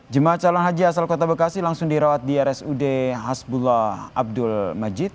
jemaah calon haji asal kota bekasi langsung dirawat di rsud hasbullah abdul majid